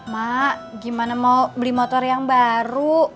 mak gimana mau beli motor yang baru